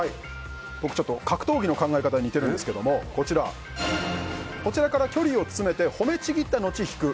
僕、ちょっと格闘技の考え方に似てるんですけどこちらから距離を詰めて褒めちぎったのち引く。